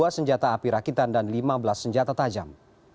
dua senjata api rakitan dan lima belas senjata tajam